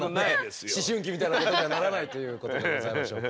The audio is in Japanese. そんなね思春期みたいなことにはならないということでございましょうか。